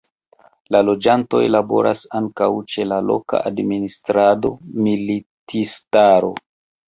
La loĝantoj laboras ankaŭ ĉe la loka administrado, militistaro.